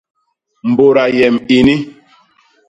Mbôda yem ini.